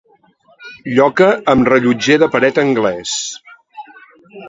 Lloca amb rellotger de paret anglès.